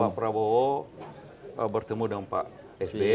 pak prabowo bertemu dengan pak sby